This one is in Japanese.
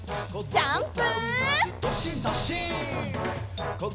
ジャンプ！